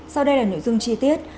sau đây là nội dung chi tiết